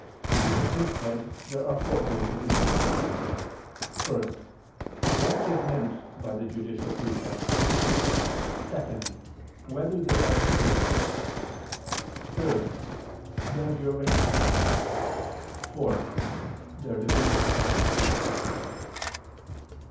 Under the first head there are four points of inquiry: (1) What is meant by the judicial precepts? (2) Whether they are figurative? (3) Their duration; (4) Their division.